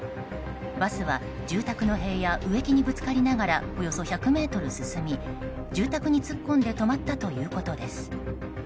バスは住宅の塀や植木にぶつかりながらおよそ１００ｍ進み住宅に突っ込んで止まったということです。